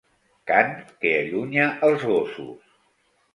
Cant que allunya els gossos.